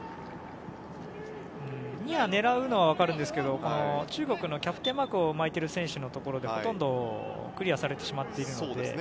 ニアを狙うのは分かるんですが中国のキャプテンマークを巻いている選手のところでほとんどクリアされてしまっているので。